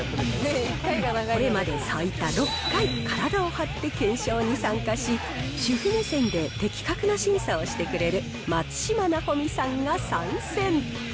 これまで最多６回、体を張って検証に参加し、主婦目線で的確な審査をしてくれる松嶋尚美さんが参戦。